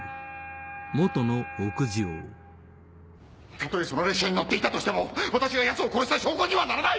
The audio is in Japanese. たとえその列車に乗っていたとしても私がヤツを殺した証拠にはならない！